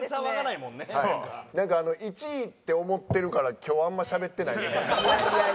なんか１位って思ってるから今日あんましゃべってないみたい。